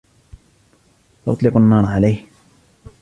سأطلق النار عليه.